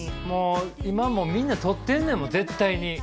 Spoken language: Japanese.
もう今もうみんな撮ってんねん絶対に。